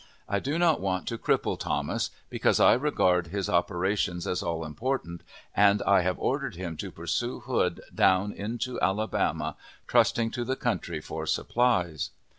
I do not want to cripple Thomas, because I regard his operations as all important, and I have ordered him to pursue Hood down into Alabama, trusting to the country for supplies.